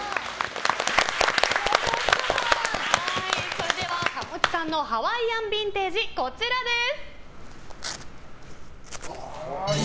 それでは蒲生地さんのハワイアンビンテージこちらです。